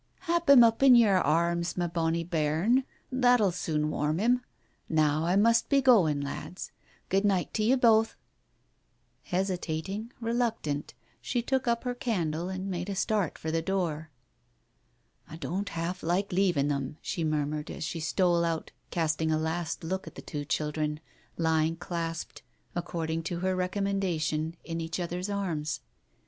"Hap him up in your arms, ma bonny bairn, that'll soon warm him. ... Now I must be going, lads. ... Good night to ye both. ..." Q2 Digitized by Google 228 TALES OF THE UNEASY Hesitating, reluctant, she took up her candle and made a start for the door. "I don't half like leaving them," she murmured, as she stole out casting a last look at the two children, lying clasped, according to her recommendation, in each other's arms.